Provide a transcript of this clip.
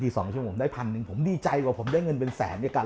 ที๒ชั่วโมงได้พันนึงผมดีใจกว่าผมได้เงินเป็นแสนในการ